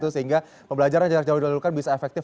sehingga pembelajaran jarak jauh dilalukan bisa efektif